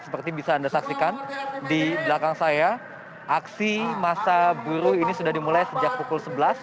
seperti bisa anda saksikan di belakang saya aksi masa buruh ini sudah dimulai sejak pukul sebelas